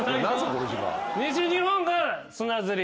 西日本が砂ずり。